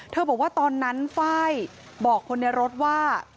บอกว่าตอนนั้นไฟล์บอกคนในรถว่า